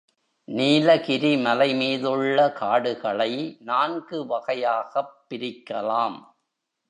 நீலகிரி மலைமீதுள்ள காடுகளை நான்கு வகையாகப் பிரிக்கலாம்.